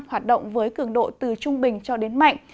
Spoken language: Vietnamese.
hoạt động với cường độ từ trung bình cho đến mạnh